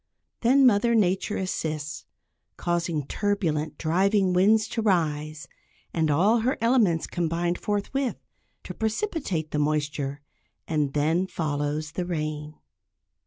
Then "Mother Nature" assists, causing turbulent, driving winds to rise, and all her elements combine forthwith, to precipitate the moisture; and then follows the rain.